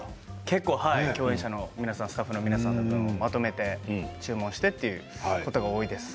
結構、共演者の皆さんスタッフの皆さんまとめて注文してっていうことが多いです。